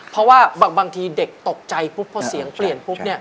เพราะว่าบางทีเด็กตกใจพบเพราะเสียงเปลี่ยนพบเนี่ย